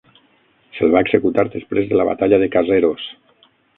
Se'l va executar després de la batalla de Caseros.